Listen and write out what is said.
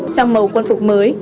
trong màu quân phục mới